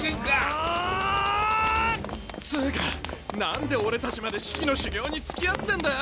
つうか何で俺たちまでシキの修行に付き合ってんだよ！